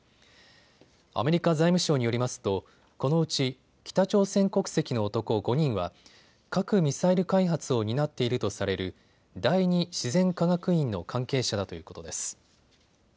アメリカ財務省によりますとこのうち北朝鮮国籍の男５人は核・ミサイル開発を担っているとされる第２自然科学院の関係者だということです。